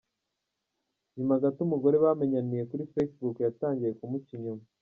Nyuma gato umugore bamenyaniye kuri Facebook yatangiye kumuca inyuma.